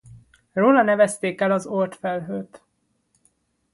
Róla nevezték el az Oort-felhőt.